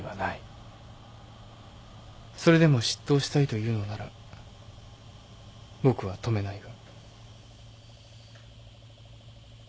それでも執刀したいというのなら僕は止めないが。